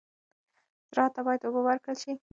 زراعت ته باید اوبه ورکړل شي.